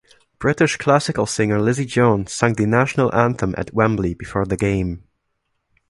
British classical singer Lizzie Jones sung The National Anthem at Wembley before the game.